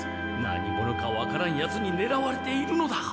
何者かわからんヤツにねらわれているのだ。